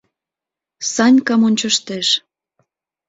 Санькам ончыштеш.